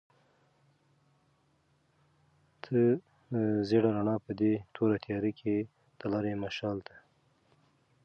تته زېړه رڼا په دې توره تیاره کې د لارې مشال دی.